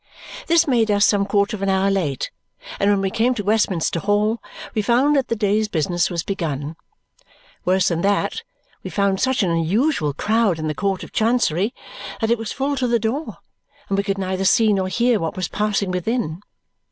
This made us some quarter of an hour late, and when we came to Westminster Hall we found that the day's business was begun. Worse than that, we found such an unusual crowd in the Court of Chancery that it was full to the door, and we could neither see nor hear what was passing within.